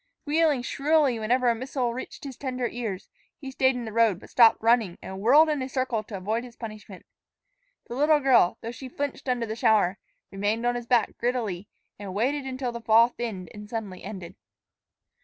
Squealing shrilly whenever a missile reached his tender ears, he stayed in the road, but stopped running, and whirled in a circle to avoid his punishment. The little girl, though she flinched under the shower, remained on his back grittily and waited until the fall thinned and suddenly ended.